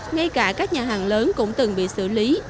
ngay cả các nhà hàng lớn cũng từng bị xử lý